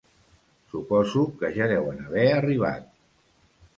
Suposo que ja deuen haver arribat.